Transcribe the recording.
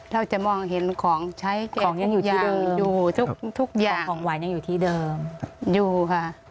เราจะมองเห็นของใช้แค่ทุกอย่างอยู่ทุกอย่างอยู่ค่ะ